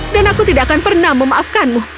dan aku tidak akan pernah memaafkanmu